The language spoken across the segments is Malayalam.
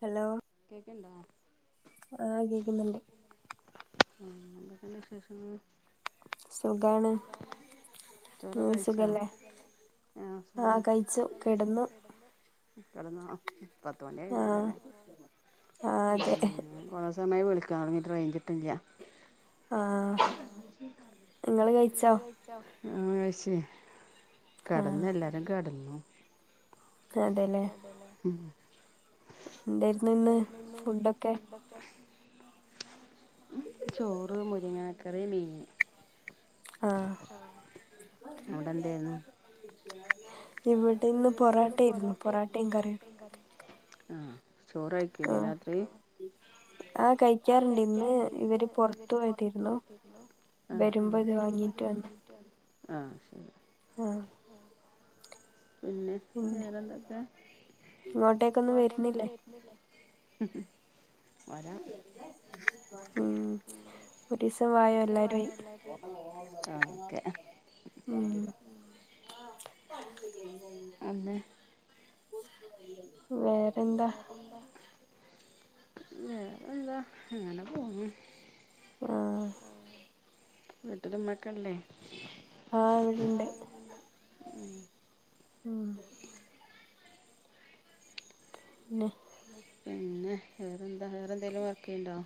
ഹലോ കേക്കണ്ടാ ആഹ് എന്തെക്കെണ്ട് വിശേഷം സുഖാണ് ചോറ് കഴിച്ചാ ആഹ് കെടന്നോ പത്ത്മണി കഴിഞ്ഞില്ലല്ലോ അല്ലെ സമയം വിളിക്കാറിങ്ങീട്ട് റെയ്ഞ്ചിട്ടണില്ല ആഹ്, ഇങ്ങള് കഴിച്ചോ? ആഹ്, കഴിച്ചേ. കെടന്ന് എല്ലാരും കെടന്നു. തതേല്ലെ [unintelligible] എന്തേരുന്നു ഇന്ന് ഫുഡൊക്കെ? ചോറ്, മുരിങ്ങാക്കറി, മീന്. ആഹ് ഇവിടെ ഇന്ന് പൊറാട്ടായിരുന്നു, പൊറാട്ടയും കറിം. ആഹ്, ചോറായിരിക്കും ലേ രാത്രി. ആഹ്, കഴിക്കാറിണ്ട് ഇന്ന് ഇവര് പൊറത്ത് പോയിട്ടാരുന്നു. വരുമ്പൊ ഇത് വാങ്ങിട്ട് വന്നു. ആഹ്. ആഹ് പിന്നെ വേറെന്തൊക്കെ? ഇങ്ങോട്ടേക്കൊന്നും വരുന്നില്ലെ? [unintelligible] വരാം ഉം [unintelligible] എല്ലാ. ആഹ് ഓക്കെ ഉം [inaudible] അന്നെ വേറെന്താ? ന്താ വേറെന്താ? അങ്ങനെ പോണു. ആഹ്. വീട്ടില്, ഇമ്മക്കല്ലേ? ആഹ്, ഇവിടെണ്ട്. [unintelligible] [unintelligible] പിന്നെ, വേറെന്താ വേറെന്തെലും, വർക്ക് ചെയ്യ്ണ്ടോ?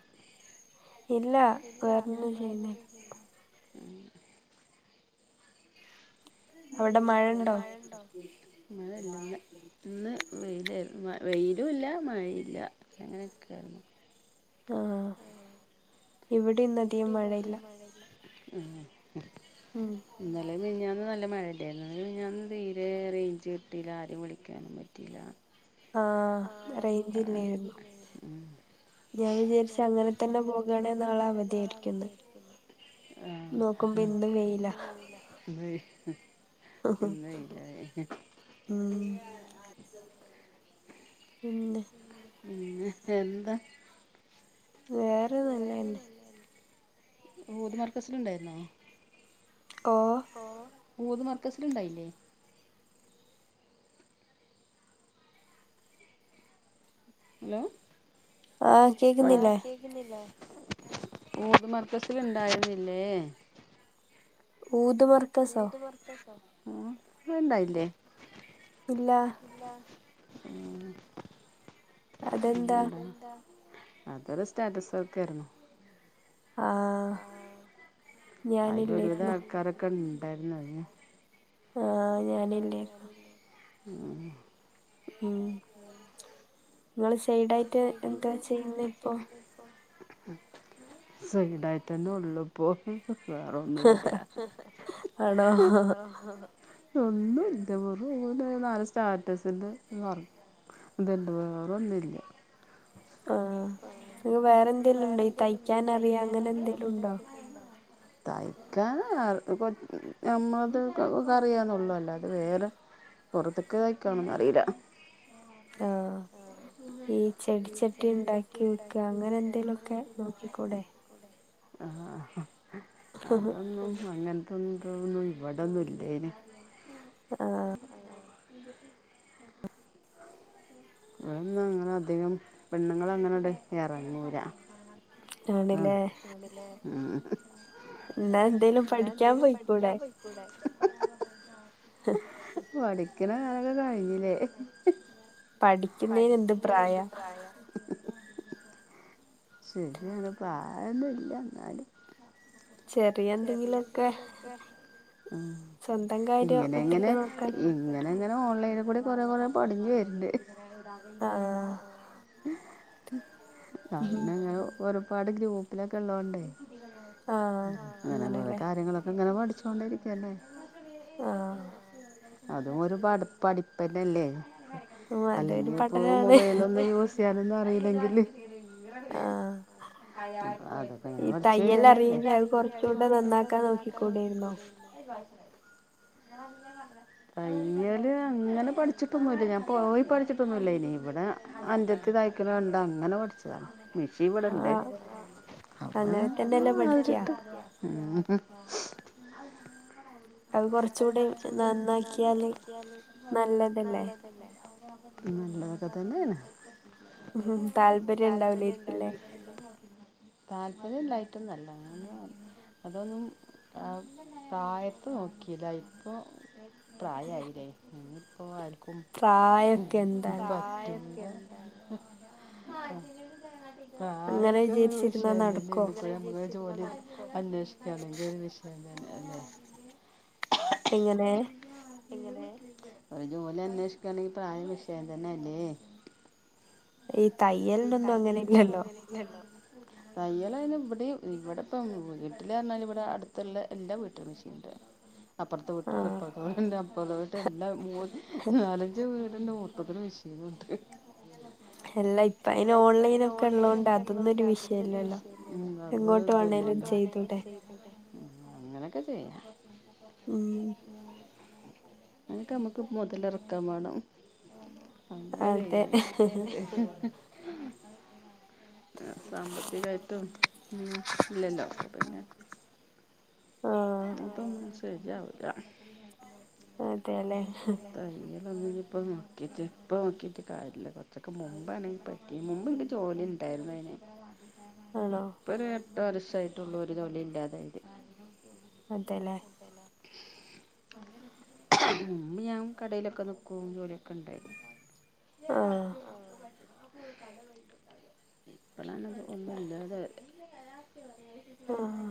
ഇല്ല, വേറൊന്നും ചെയ്യുന്നില്ല. അവിടെ, മഴ ഉണ്ടോ? മഴ ഇല്ലന്ന് ഇന്ന് വെയിലായി വെയിലുംല്ല, മഴയില്ല, അങ്ങനെയൊക്കെ ആയിരുന്നു ആഹ്, ഇവിടം ഇന്നധികം മഴയില്ല. [unintelligible] ഉം. ഇന്നലെ മിൻയാന്ന് നല്ല മഴല്ലേഞ്ഞോ, ഇന്നലേം മിഞാനും തീരെ റേഞ്ച് കിട്ടിയില്ല ആരേം വിളിക്കാനും പറ്റിയില്ല. ആഹ്, റൈഞ്ചില്ലായിരുന്നു. ഞാൻ വിചാരിച്ച അങ്ങനെ തന്നെ പോകണെ നാളെ അവധിയായിരിക്കുംന്ന്. ആഹ്, നോക്കുമ്പ ഇന്നും, വെയില. [unintelligible] ഉം, പിന്നെ. ന്നെ എന്താ? വേറെ നല്ലേന്നെ ഊത് മർക്കസില് ണ്ടായിരുന്നോ? കോഹ് ഓഹ്, ഊത് മർക്കസില്ണ്ടായില്ലേ? ഹലോ! ആഹ് കേക്- ക്ക്ന്നില്ലേ, ഊദ് മർക്കസില് ണ്ടായിരുന്നില്ലേ? ഊത് മർ ഊദ് മർക്കസോ, ആഹ് ങ്ങള് ഇണ്ടായില്ലേ? ഇല്ലാഹ്. [unintelligible] അതൊരു സ്റ്റാറ്റസ്, വെക്കൊയിരുന്നു. ആഹ് അയ്ൽ ഒരുവിധ ആൾക്കാരൊക്കെ ണ്ടായിരുന്നു അതിന്. ആഹ്, ഞാനില്ലേ. ഉം, ങ്ങള്സൈഡായിട്ട് എന്താ ചെയ്യുന്നെ ഇപ്പോ? സൈഡായിട്ടെന്നെ ഉള്ളൂ. പ്പോ, വേറൊന്നുല്ല ആണോ. ഒന്നുല്ലാ വെറുംങ്ങനെ നാല് സ്റ്റാറ്റസിഡ, വർ അതിണ്ട്, വേറൊന്നുല്ല. ആഹ് ങ്‌ വേറെന്തേലും ഉണ്ടോ ഈ തയ്ക്കാൻ അറിയാം അങ്ങനെ എന്തെലും ഉണ്ടോ? തയ്ക്കാന്, അ കൊ നമ്മളത്കറിയാന്നൊള്ളൂ അല്ലാതെ, വേറെ പൊറത്ത്ക്ക് തയ്ക്കാനൊന്നും അറീലാ. ആഹ്, ഈ ചെടിച്ചട് ട്ടിണ്ടാക്കി വിക്കാ, അങ്ങനെ എന്തേലൊക്കെ, നോക്കിക്കൂടെേ? ആഹ് അതൊന്നും അങ്ങന തൊന്നും ഇവിടൊന്നും, ഇല്ലേന്. ആഹ്. ഇവിടൊന്നും, അങ്ങനെ അധികം പെണ്ണുങ്ങളങ്ങനെ അങ്ങട്ട് എറങ്ങൂല. അതാണ് [unintelligible] ന്നാ എന്തേലും പഠിക്കാൻ പോയിക്കൂടെ? [unintelligible] ഹ്ഹ. പഠിക്കണ കാലൊക്കെ കഴിഞ്ഞില്ലേ പഠിക്കുന്നേന് എന്ത് പ്രായ ശരിയാണ് പ്രായൊന്നുംല്ല എന്നാലും [unintelligible] ക്കെ ഇങ്ങനെങ്ങനെ ഇങ്ങനെ ഇങ്ങനെ ഓൺലൈന്ൽ കൂടി കുറെ കുറെ പടിഞ്ഞു വരുണ്ട് ആഹ് അങ്ങനെ ഒരുപാട് ഗ്രൂപ്പിലൊക്കെ ഉള്ളോണ്ടേ ആഹ് ഇങ്ങനെ കു കാര്യങ്ങളൊക്കെ ഇങ്ങനെ പഠിച്ചോണ്ടിരിക്കുകയല്ലേ ആഹ് അതും ഒരു പ പഠിപ്പന്നല്ലേ അല്ലെങ്കി ഇപ്പൊ മൊബൈല് ഒന്ന് യൂസ് ചെയ്യാനൊന്നും അറിയില്ലെങ്കിൽ ആഹ് അത് കൊറച്ച് വരോ ഞ [unintelligible] തയ്യല് അങ്ങനെ പഠിച്ചിട്ടൊന്നുമില്ല ഞാൻ പോയി പഠിച്ചിട്ടൊന്നുമില്ല ഇനി ഇവിടെ അനിയത്തി തായ്ക്കലൊണ്ട് അങ്ങനെ പഠിച്ചതാണ് [unintelligible] ആ [unintelligible] അത് കുറച്ചുകൂടിം എന്നാണ് നന്നാക്കിയാലും നല്ല നല്ലതക്കതന്നാന്ന് ഉം താല്പര്യം ഉണ്ടാവില്ലായിരിക്കില്ലേ താൽപ്പര്യല്ലായിട്ടും നല്ല അങ്ങന അതൊന്നും സഹായത്ത് നോക്കില്ല ഇപ്പൊ പ്രായായില്ലേ ഇപ്പോ ആക്കും ആയൊക്കെ എന്താണ് [unintelligible] പ്രായൊക്കെ വിഷയം ഉണ്ടില്ലേ നിങ്ങ ജോലി അന്വേഷിക്കുകയാണെങ്കിൽ, ഒരു വിഷയം തന്നെല്ലെ? എങ്ങനെ, എങ്ങനെ, ഒരു ജോലി അന്വേഷിക്കയാണെങ്കി പ്രായം വിഷയം തന്നെ അല്ലേ. ഈ തയ്യലിന് ഒന്നും അങ്ങനെ ഇല്ലല്ലോ. [unintelligible] തയ്യൽ അയ്ന് ഇവിടെ ഇവിടെ ഇപ്പം വീട്ടില പറഞ്ഞാൽ, ഇവിടെ അടുത്തുള്ള എല്ലാ വീട്ടിൽ മെഷീൻണ്ട്. [inaudible] അപ്പറത്തെ വിട്ട് ഇപ്പറത്തെട്ടണ്ട് അപ്പുത്തെ വിട്ട് എല്ലാ മൂന്ന് നാലഞ്ചു വീടുണ്ട് മൊത്തത്തിൽ വിഷ് [unintelligible] എല്ലായി എല്ലാ ഇപ്പ അതിന് ഓൺലൈനക്കെ ഉള്ളതോണ്ട് അതൊരു വിഷയല്ല. അങ്ങനെക്കാ ചെയ്യാ. ഉം [unintelligible] ക്കെ നമ്മുക്ക് മുതല് ഇറക്കാൻ വേണം. അതെ. [inaudible] സാമ്പത്തികമായിട്ടും ഉം ഇല്ലല്ലോ അപ്പ പിന്നെ. അതൊന്നും ശെരിയാവൂല്ല. അതെല്ലേ. തയ്യലൊന്ന് ഇപ്പോൾ നോക്കിയിട്ട് ഇപ്പം നോക്കിയിട്ട് കാര്യല്ല. കുറച്ചൊക്കെ മുമ്പാണെങ്കിൽ പോയി മുമ്പ് ഇക്ക് ജോലി ഉണ്ടായിരുന്നു അയിന്. ആണോ. ഇപ്പൊ ഒരു ഏട്ടു വർഷായിട്ടുള്ളു ഒരു ജോലീം ഇല്ലാതായിട്ട്. അതെലേ. മുമ്പ് ഞാൻ കടയിലൊക്കെ നിക്കും, ജോലിയൊക്കെ ഉണ്ടായിരുന്നു. ആഹ [inaudible] ആഹ്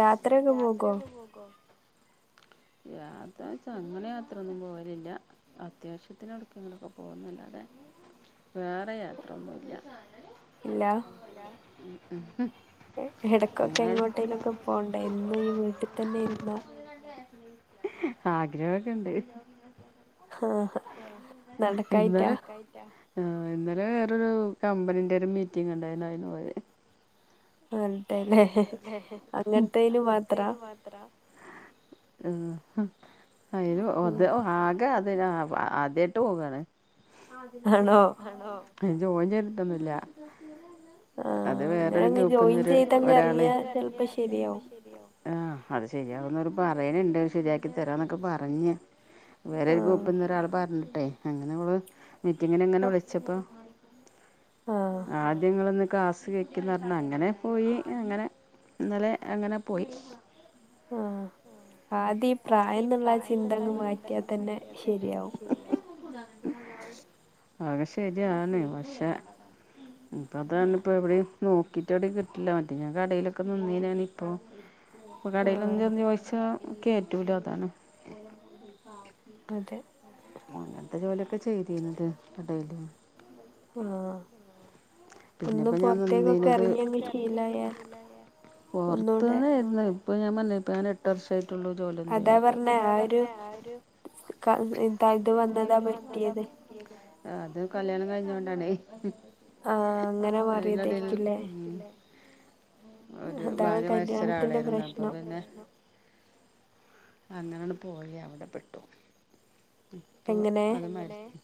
യാത്രയൊക്കെ പോവോ? യാത്ര വെച്ച, അങ്ങനെ യാത്രയൊന്നും പോവലില്ല. അത്യാവശ്യത്തിന് അട്ക്കെങ്കിലൊക്കെ പോവുന്നല്ലാതെ, വേറെ യാത്രൊന്നുല്ല. ഇല്ല. എടക്കൊക്കെ എങ്ങോട്ടേലൊക്കെ പോ പോണ്ടെ. എന്നും ഈ വീട്ടിൽ തന്നെ ഇരുന്ന, ആഗ്രഹൊക്കെണ്ട്. ഹാ ഹ് ഇന്നലെ [unintelligible] ആ ഇന്നലെ വേറൊരു കമ്പനീന്റെ ഒരു മീറ്റിംങ്ങുണ്ടായിരുന്നു അതിന് പോയെ. [unintelligible] അങ്ങനതേല് മാത്രാ. ത്രാ. അയിന് ഒതെ ആ [unintelligible] ആദ്യായിട്ട് പോവാണ്. പിന്നെ ജോലി ചെയ്തിട്ടൊന്നില്ല. അത് വേറന്നൊരു ഗ്രൂപ്പന്നര്, ഒരാളെ. ആഹ് അത് ശരിയാവുന്നൊരു പറയണ് ണ്ട്. ശരിയാക്കി തരാ ന്നക്കെ പറഞ്. വേറെ ഒരു ഗ്രൂപ്പ്‌ ന്ന് ഒരാള് പറഞ്ഞിട്ടെ അങ്ങനെമ്മള്, മീറ്റിങ്ങിനിങ്ങനെ വിളിച്ചപ്പോ. ആദ്യങ്ങ നൊന്ന് ക്ലാസ്സ് കേക്ക്ന്ന് പറഞ്, അങ്ങനെ പോയി. അങ്ങനെ ഇന്നലെ അങ്ങനെ പോയി. ആഹ്. ആദ്യ ഈ പ്രായം ന്നുള്ള ചിന്തങ്ങ് മാറ്റിയാൽ തന്നെ ശരിയാവും. അത് ശരിയാണ്. പക്ഷെ, ഇപ്പ അതാണ് പ്പൊ എവിടിം നോക്കിട്ട് എവിടീം കിട്ടില്ല. മറ്റേ ഞാൻ കടീലൊക്കെ നിന്നീനാണ്പ്പോ. ഇപ്പൊ കടേലൊന്നും ചെന്ന് ചോയ്ച്ചാ കേറ്റൂല അതാണ് അതെ ഉം അങ്ങത്തെ ജോലിയൊക്കെ ചെയ്തീനത് എടെയില് ആഹ് ഒന്ന് പൊറ്ത്തേക്കൊക്കെ എറങ്ങി അങ്ങ് ശീലായാ പൊറത്ത്ന്നേര്ന്ന് ഇപ്പൊ ഞാൻ പറ്ഞ്ഞില്ലേ ഇപ്പൊ ഞാൻ എട്ട് വർഷായി ട്ടൊള്ളു ജോലി ഒന്നും ചെയ്യാതെ അതാ പറ്ഞ്ഞേ ആ ഒരു ഇക്കാ ഉം എന്താ ഇത് വന്നതാ പറ്റിയത് അത് കല്യാണം കഴിഞ്ഞോണ്ടാണേയ് ആഹ് അയിന്റെ ഏടേല് മാറിയതേര്ക്കുല്ലേ ഉം ഒരു ഭാര്യ മരിച്ചൊരാളേരുന്നു അപ്പൊ പിന്നെ അങ്ങനാണ് പോയി അവിടെ പെട്ടു ഇപ്പൊ അത് മരി ഉം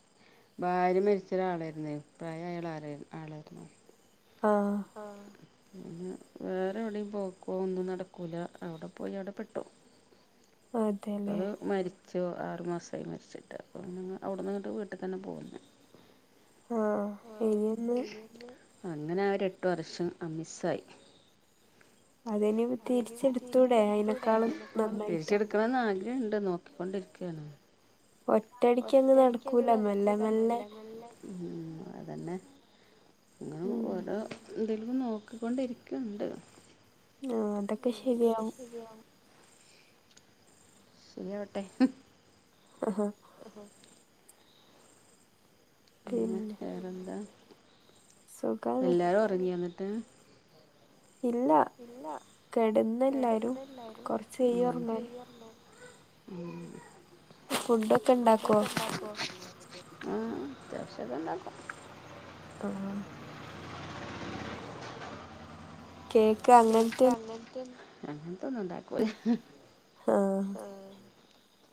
ഭാര്യ മരിച്ചൊരാളേര്ന്നെ പ്രായായ ളാരായിരുന്നു ആളായിരുന്നു ആഹ് പിന്നെ വേറെ എവിടീം പോക്കോ ഒന്നും നടക്കൂല്ല അവടെ പോയി അവടെ പെട്ടു ഇപ്പൊ അത് മരി ച്ചു ആറു മാസായി മരിച്ചിട്ട് അപ്പം [unintelligible] അവ്ട്ന്ന്ങ്ങട്ട് വീട്ടിക്കെന്നെ പോന്നു ആഹ് ഇനിയൊന്ന് അങ്ങനെ ആ ഒര് എട്ടു വർഷം ആഹ് മിസ്സായി അല്ലേനിം തിരിച്ചെട്ത്തൂടെ [unintelligible] തിരിച്ചെട് ക്കണന്ന് ആഗ്രഹണ്ട് നോക്കിക്കൊണ്ടിരിക്ക്യാണ് ഒറ്റടിക്കിയങ്ങ് നടക്കൂല മെല്ലെ മെല്ലെ ഉം അതെന്നെ അങ്ങനെ ഓരോ എന്തേലും നോക്കിക്കൊണ്ടിരിക്ക്ണ്ട് ആഹ് അതൊക്കെ ശെരിയാവും [unintelligible] ശരിയാവട്ടെ ആഹ് ഹാ ആഹ് ഹാ പിന്നെ വേറെന്താ എല്ലാരും ഒറങ്ങിയോ ഇന്ന്ട്ട് ഇല്ലാ കെടന്നെല്ലാരും കൊറ്ച്ചെയ്യും ഒറങ്ങാന് ഉം ഫുഡൊക്കെ ഇണ്ടാ ക്കോ ആഹ് അത്യാവശ്യൊക്കെ ഇണ്ടാക്കും [unintelligible] കേ കേക്ക് അങ്ങൻത്തെന്ന് അങ്ങൻത്തൊന്നും ഇണ്ടാക്കുല്ലാ ആഹ്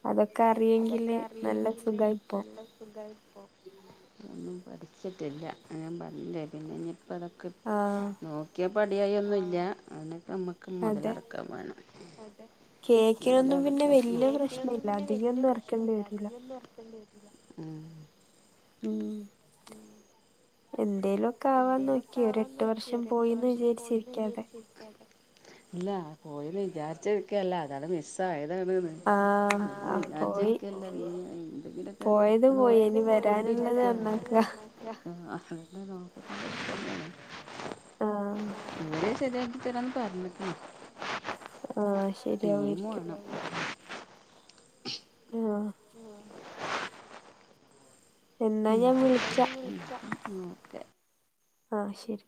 അതൊക്കെ അറി അതൊക്കെ അറിയെങ്കില് നല്ല സുഖാ ഇപ്പോ ഒന്നും പഠിച്ചിട്ടില്ല അത് ഞാൻ പറഞ്ഞില്ലേ പിന്നെ ഇനിപ്പോ അതൊക്കെ ആഹ് നോക്കിയാ പടിയായൊന്നുല്ല ആഹ് അയ്നിപ്പം നമ്മക്ക് മൊതലറക്കാൻ വാണം അതെ കേക്കിനൊന്നും പിന്നെ വെല്ല്യ പ്രശ്നയില്ല അധിക്ക്യൊന്നും എ [unintelligible] അധിക്ക്യൊന്നും എറക്കെണ്ടി വരൂല്ല ഉം ഉം എന്തേലൊ ക്കാവാന് നോക്കി ഒരു എട്ട് വർഷം പോയിന്ന് വിചാരിച്ചിരിക്ക്യാതെ ഇല്ലാ പോയിന്ന് വിചാരിച്ച് ഇരിക്ക്യല്ലാ അതാട് മിസ്സായതാണ്ന്ന് ആഹ് ഒന്നും വിചാരിച്ചിരിക്ക്യല്ലാ പിന്നെ എന്തെങ്കിലൊക്കെ നോക്കി കോണ്ടിരിക്കാണ് [unintelligible] ആഹ് [unintelligible] നോക്കി [unintelligible] ശരിയാക്കി തരാന്ന് പറഞ്ഞ്ക്ക്ണ് ആഹ് ശരിയാവേര്ക്കും ആഹ് ഉം. എന്നാ ഞാൻ വിളിക്കാം. ഓക്കെ. ആ ശരി